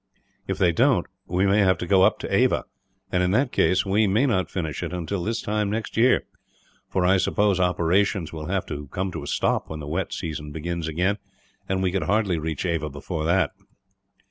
If they don't we may have to go up to Ava and, in that case, we may not finish it until this time next year; for I suppose operations will have to come to a stop, when the wet season begins again, and we could hardly reach Ava before that."